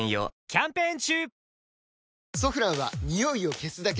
キャンペーン中！